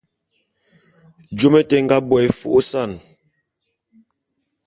Jôm éte é nga bo é fô'ôsan.